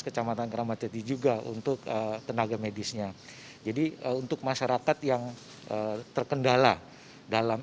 kecamatan keramat jati juga untuk tenaga medisnya jadi untuk masyarakat yang terkendala dalam